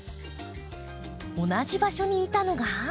同じ場所にいたのが。